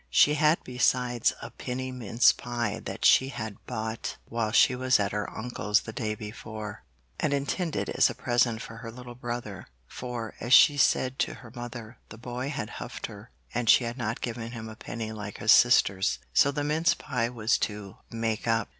She had besides a penny mince pie that she had bought while she was at her uncle's the day before, and intended as a present for her little brother; for, as she said to her mother, the boy had 'huffed her,' and she had not given him a penny like his sisters, so the mince pie was to make up.